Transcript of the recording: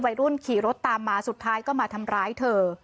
วัยรุ่นขี่รถตามมาสุดท้ายก็มาทำร้ายเธอ